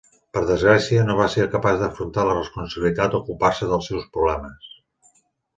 Per desgràcia, no va ser capaç d'afrontar la responsabilitat o ocupar-se dels seus problemes.